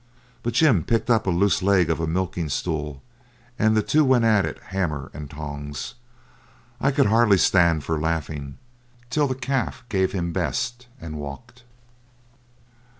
But Jim picked up a loose leg of a milking stool, and the two went at it hammer and tongs. I could hardly stand for laughing, till the calf gave him best and walked.